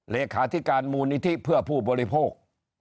เลขาธิการมูลนิธิเพื่อผู้บริโภค